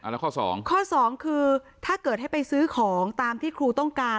แล้วข้อสองข้อสองคือถ้าเกิดให้ไปซื้อของตามที่ครูต้องการ